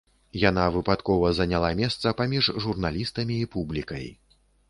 Яна выпадкова заняла месца паміж журналістамі і публікай.